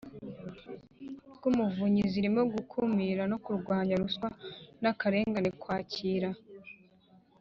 Rw umuvunyi zirimo gukumira no kurwanya ruswa n akarengane kwakira